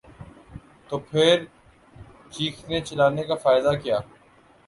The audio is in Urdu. تو پھر چیخنے چلانے کا فائدہ کیا؟